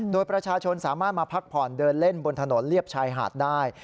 โดยประชาชนสามารถมาพักผ่อนเดินเล่นบนถนนเรียบชายหาดได้